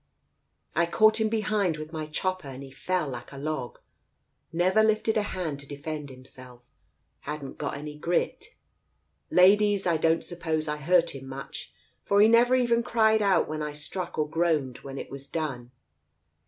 I caught him behind with my chopper, and he fell like a log. Never lifted a hand to defend himself — hadn't got any grit. Ladies, I don't suppose I hurt him much, for he never even cried out when I struck or groaned when it was done.